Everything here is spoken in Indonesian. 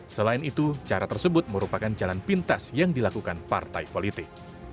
selain itu cara tersebut merupakan jalan pintas yang dilakukan partai politik